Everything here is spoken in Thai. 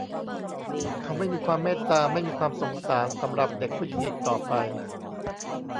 เขาไม่มีความเมตตาไม่มีความสงสารสำหรับเด็กผู้หญิงอีกต่อไป